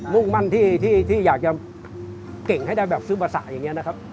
มุ่งมั่นที่อยากจะเก่งให้ได้แบบซื้อประสาทอย่างนี้นะครับ